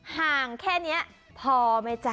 ห่างแค่นี้พอไหมจ๊ะ